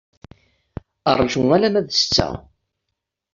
Rju alamma d ssetta.